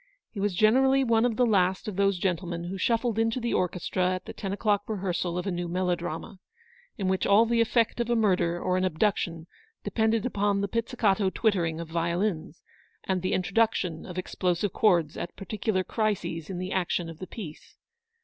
He was generally one of the last of those gentlemen who shuffled into the orchestra at the ten o'clock rehearsal of a new melodrama, in which all the effect of a murder or an abduc tion depended upon the pizzicato twittering of violins, and the introduction of explosive chords at particular crises in the action of the piece.